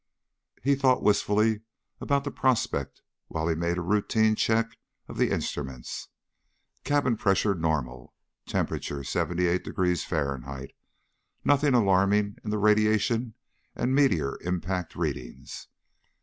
He thought wistfully about the prospect while he made a routine check of the instruments. Cabin pressure normal ... temperature 78 degrees F. ... nothing alarming in the radiation and meteor impact readings.